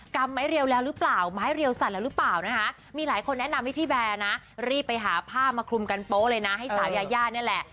ำไม้เรียวแล้วหรือเปล่าไม้เรียวสั่นแล้วหรือเปล่านะคะมีหลายคนแนะนำให้พี่แบร์นะรีบไปหาผ้ามาคลุมกันโป๊ะเลยนะให้สาวยายานี่แหละ